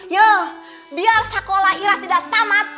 ya biar sekolah irah tidak tamat